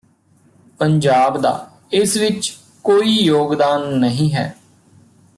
ਪੰਜਾਬ ਦਾ ਇਸ ਵਿੱਚ ਕੋਈ ਯੋਗਦਾਨ ਨਹੀਂ ਹੈ